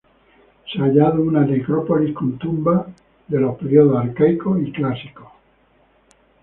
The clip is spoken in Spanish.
Se ha hallado una necrópolis con tumbas de los periodos arcaico y clásicos.